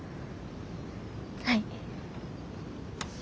はい。